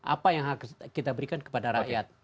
apa yang harus kita berikan kepada rakyat